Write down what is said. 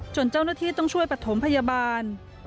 เจ้าหน้าที่ต้องช่วยปฐมพยาบาล